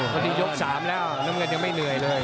วันนี้ยก๓แล้วน้ำเงินยังไม่เหนื่อยเลย